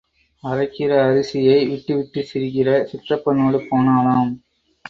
அரைக்கிற அரிசியை விட்டுவிட்டுச் சிரிக்கிற சிற்றப்பனோடே போனாளாம்.